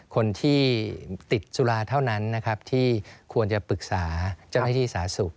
คนที่ติดสุราเท่านั้นนะครับที่ควรจะปรึกษาเจ้าหน้าที่สาธารณสุข